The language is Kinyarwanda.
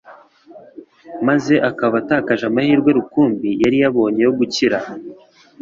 maze akaba atakaje amahirwe rukumbi yari abonye yo gukira.